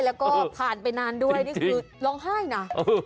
แล้วก็ผ่านไปนานด้วยนี่คือร้องไห้นะ